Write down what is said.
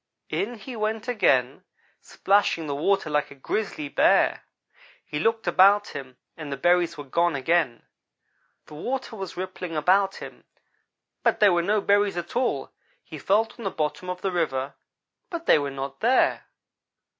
"In he went again splashing the water like a Grizzly Bear. He looked about him and the berries were gone again. The water was rippling about him, but there were no berries at all. He felt on the bottom of the river but they were not there.